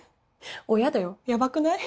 親だよやばくない？